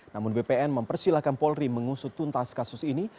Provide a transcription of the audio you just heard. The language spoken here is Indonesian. namun bpn mempersilahkan polri mengusut tuntas kasus ini